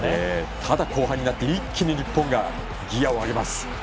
ただ後半になって一気に日本がギヤを上げます。